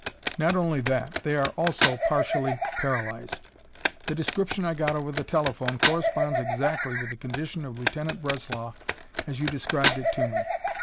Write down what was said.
"Not only that, they are also partially paralyzed. The description I got over the telephone corresponds exactly with the condition of Lieutenant Breslau as you described it to me.